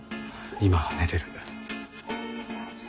今は寝てる。